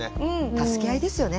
助け合いですよね。